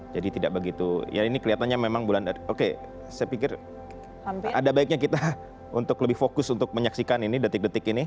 jadi tidak begitu ya ini kelihatannya memang bulan oke saya pikir ada baiknya kita untuk lebih fokus untuk menyaksikan ini detik detik ini